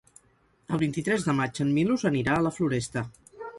El vint-i-tres de maig en Milos anirà a la Floresta.